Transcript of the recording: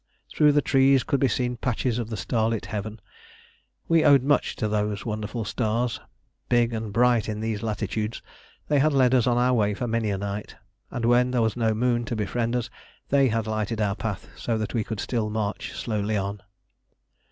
Through the trees could be seen patches of the starlit heaven. We owed much to those wonderful stars. Big and bright in these latitudes, they had led us on our way for many a night, and when there was no moon to befriend us they had lighted our path so that we could still march slowly on.